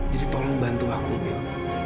jadi tolong bantu aku mil